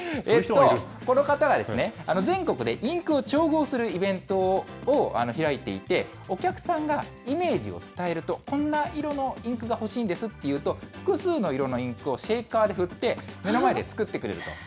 この方は全国でインクを調合するイベントを開いていて、お客さんがイメージを伝えると、こんな色のインクが欲しいんですって言うと、複数の色のインクをシェイカーで振って、目の前で作ってくれると。